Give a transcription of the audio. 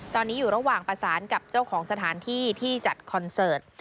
ตอนนี้อยู่ระหว่างประสานกับเจ้าของสถานที่ที่จัดคอนเสิร์ต